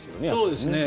そうですね。